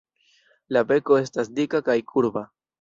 La beko estas dika kaj kurba.